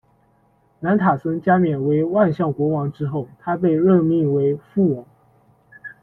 南塔森加冕为万象国王之后，他被任命为副王。